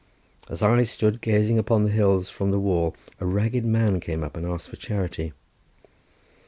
As I stood gazing upon the hills from the wall, a ragged man came up and asked for charity.